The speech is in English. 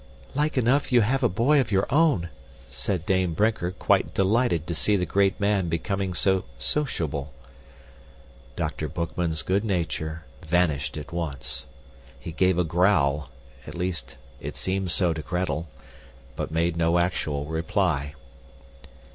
"Like enough ye have a boy of your own," said Dame Brinker, quite delighted to see the great man becoming so sociable. Dr. Boekman's good nature vanished at once. He gave a growl (at least, it seemed so to Gretel), but made no actual reply.